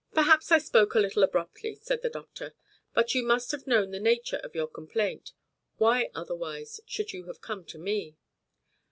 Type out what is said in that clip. "Perhaps I spoke a little abruptly," said the doctor, "but you must have known the nature of your complaint. Why, otherwise, should you have come to me?"